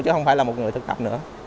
chứ không phải là một người thực tập nữa